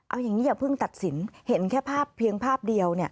เอาอย่างนี้อย่าเพิ่งตัดสินเห็นแค่ภาพเพียงภาพเดียว